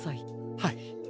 はい。